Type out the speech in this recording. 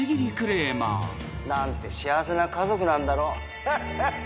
何て幸せな家族なんだろう。